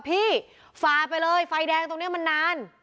ฝ่าไปเลยไฟแดงตรงนี้มันนาน